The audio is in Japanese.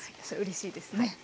それうれしいですね。